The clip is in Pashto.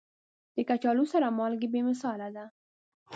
د کچالو سره مالګه بې مثاله ده.